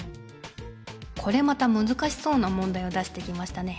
これまたむずかしそうな問題を出してきましたね。